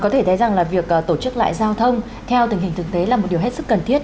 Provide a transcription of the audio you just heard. có thể thấy rằng là việc tổ chức lại giao thông theo tình hình thực tế là một điều hết sức cần thiết